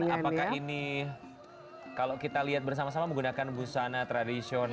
apakah ini kalau kita lihat bersama sama menggunakan busana tradisional